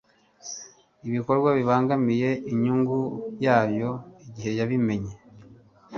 ibikorwa bibangamiye inyungu yayo igihe yabimenye